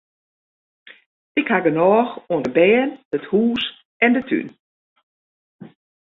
Ik haw genôch oan de bern, it hûs en de tún.